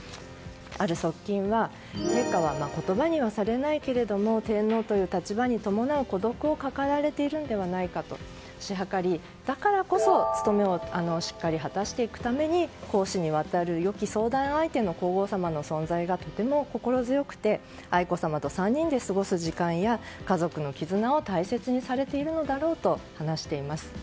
ある側近は陛下は言葉にはされないけれども天皇という立場に伴う孤独を抱えられているのではと推し量りだからこそ勤めをしっかり果たしていくために公私にわたる良き相談相手の皇后さまの存在がとても心強くて愛子さまと３人で過ごす時間や家族の絆を大切にされているのだろうと話します。